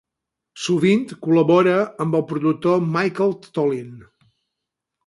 Sovint col·labora amb el productor Michael Tollin.